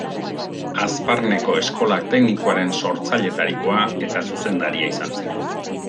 Hazparneko eskola teknikoaren sortzaileetarikoa eta zuzendaria izan zen.